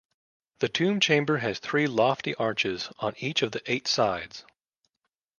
The tomb chamber has three lofty arches on each of the eight sides.